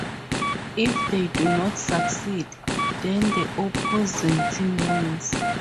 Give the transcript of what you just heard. If they do not succeed, then the opposing team wins.